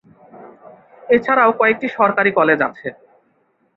এছাড়াও কয়েকটি সরকারি কলেজ আছে।